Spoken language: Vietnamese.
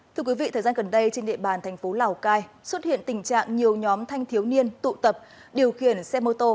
thưa quý vị thời gian gần đây trên địa bàn thành phố lào cai xuất hiện tình trạng nhiều nhóm thanh thiếu niên tụ tập điều khiển xe mô tô